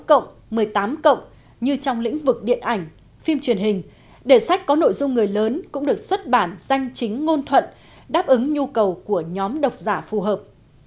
một cộng một mươi tám cộng như trong lĩnh vực điện ảnh phim truyền hình để sách có nội dung người lớn cũng được xuất bản danh chính ngôn thuận đáp ứng nhu cầu của nhóm đọc giả phù hợp